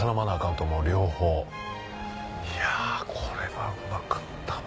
いやぁこれはうまかったわ。